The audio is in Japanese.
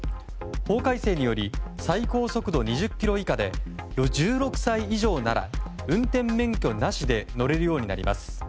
法改正により最高速度２０キロ以下で１６歳以上なら運転免許なしで乗れるようになります。